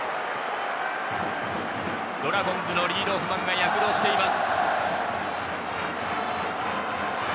ドラゴンズのリードオフマンが躍動しています。